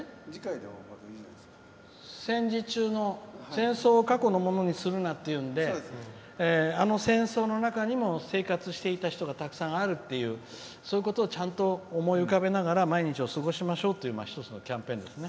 戦争を過去のものにするなっていうのであの戦争の中にも生活していた人がたくさんあるっていうそういうことをちゃんと思い浮かべながら毎日を過ごしましょうっていう一つのキャンペーンですね。